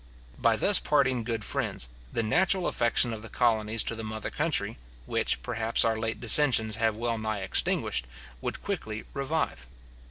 By thus parting good friends, the natural affection of the colonies to the mother country, which, perhaps, our late dissensions have well nigh extinguished, would quickly revive.